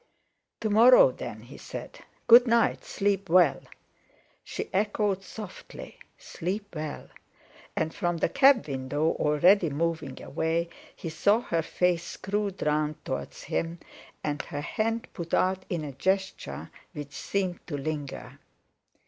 "To morrow then," he said. "Good night. Sleep well." She echoed softly: "Sleep well" and from the cab window, already moving away, he saw her face screwed round towards him, and her hand put out in a gesture which seemed to linger.